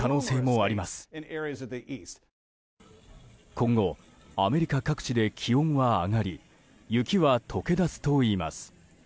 今後、アメリカ各地で気温は上がり雪は解け出すといいます。